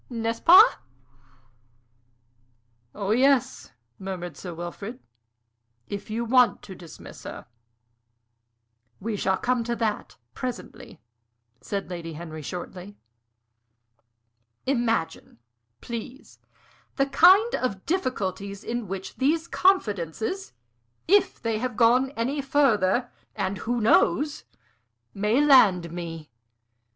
N'est ce pas?" "Oh yes," murmured Sir Wilfrid, "if you want to dismiss her." "We shall come to that presently," said Lady Henry, shortly. "Imagine, please, the kind of difficulties in which these confidences, if they have gone any further and who knows? may land me.